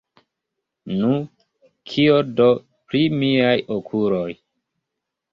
Nu, kio do, pri miaj okuloj?